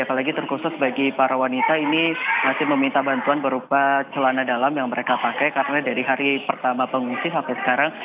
apalagi terkhusus bagi para wanita ini masih meminta bantuan berupa celana dalam yang mereka pakai karena dari hari pertama pengungsi sampai sekarang